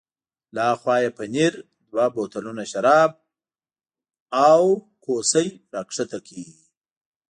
له ها خوا یې پنیر، دوه بوتلونه شراب او کوسۍ را کښته کړل.